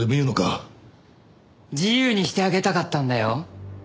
自由にしてあげたかったんだよ。